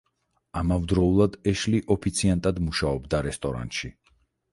ამავდროულად ეშლი ოფიციანტად მუშაობდა რესტორანში.